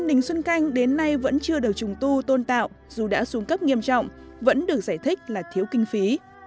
đình xuân canh đến nay vẫn chưa được trùng tu tôn tạo dù đã xuống cấp nghiêm trọng vẫn được giải thích là thiếu kinh phí